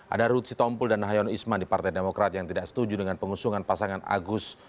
ada rutsi tompul dan hayono isman di partai demokrat yang tidak setuju dengan pengusungan pasangan agus yunus